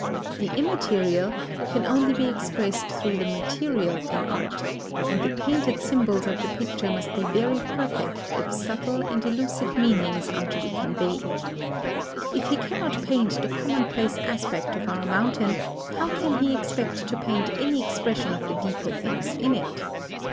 The immaterial can only be expressed through the material in art, and the painted symbols of the picture must be very perfect if subtle and elusive meanings are to be conveyed. If he cannot paint the commonplace aspect of our mountain, how can he expect to paint any expression of the deeper things in it?